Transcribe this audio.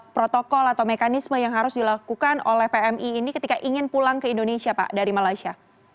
protokol atau mekanisme yang harus dilakukan oleh pmi ini ketika ingin pulang ke indonesia pak dari malaysia